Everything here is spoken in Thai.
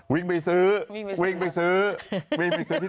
วิ่งไปซื้อ